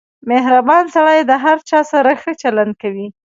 • مهربان سړی د هر چا سره ښه چلند کوي.